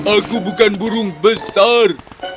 aku bukan burung besar